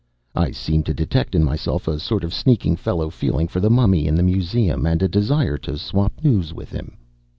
I seemed to detect in myself a sort of sneaking fellow feeling for the mummy in the museum, and a desire to swap news with him.